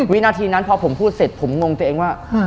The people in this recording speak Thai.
วินาทีนั้นพอผมพูดเสร็จผมงงตัวเองว่า